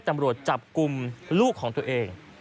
จำโรทจับกลุ่มลูกของเธอเอง